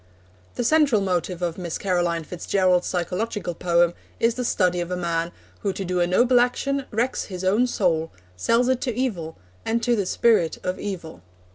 The central motive of Miss Caroline Fitz Gerald's psychological poem is the study of a man who to do a noble action wrecks his own soul, sells it to evil, and to the spirit of evil.